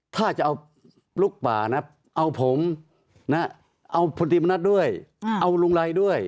ถ้าจะเอาลูกป่านะเอาผมนะเอาพลตรีมณัฐด้วยเอาลุงไรด้วย